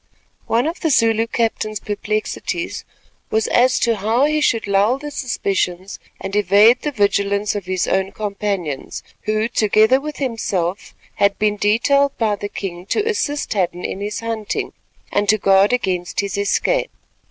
One of the Zulu captain's perplexities was as to how he should lull the suspicions and evade the vigilance of his own companions, who together with himself had been detailed by the king to assist Hadden in his hunting and to guard against his escape.